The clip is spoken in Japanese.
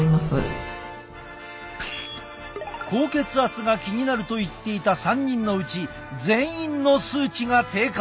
高血圧が気になると言っていた３人のうち全員の数値が低下。